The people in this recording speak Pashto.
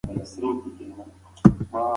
هغه د خلکو باور تر هر څه مهم باله.